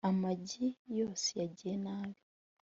amagi yose yagiye nabi